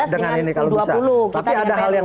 dengan u dua puluh tapi ada hal yang